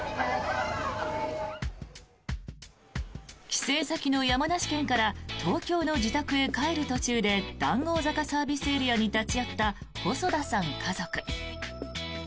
帰省先の山梨県から東京の自宅へ帰る途中で談合坂ＳＡに立ち寄った細田さん家族。